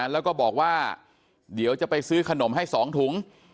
แล้วก็บอกว่าเดี๋ยวจะไปซื้อขนมให้๒ถุง